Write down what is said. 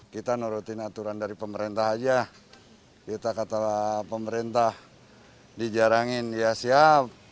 kita nurutin aturan dari pemerintah aja kita katalah pemerintah dijarangin ya siap